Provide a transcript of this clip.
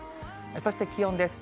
そして気温です。